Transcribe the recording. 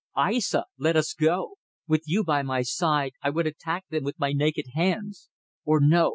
"Aissa, let us go! With you by my side I would attack them with my naked hands. Or no!